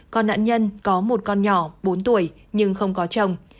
còn nạn nhân có một con nhỏ bốn tuổi nhưng không có chồng